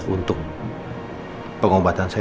untuk pengobatan saya